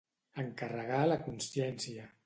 Encarregar la consciència.